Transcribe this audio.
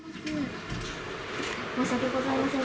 申し訳ございません。